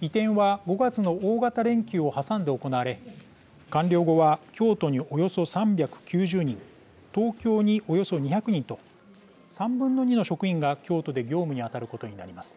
移転は５月の大型連休を挟んで行われ、完了後は京都におよそ３９０人東京におよそ２００人と３分の２の職員が京都で業務に当たることになります。